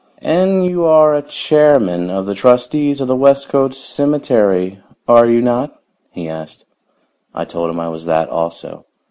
"And you are chairman of the trustees of the Westcote Cemetery, are you not?" he asked. I told him I was that also.